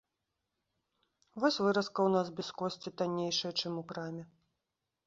Вось выразка ў нас без косці таннейшая, чым у краме.